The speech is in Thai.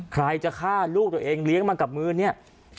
ใครจะฆ่าลูกตัวเองเลี้ยงมากับมือเนี่ย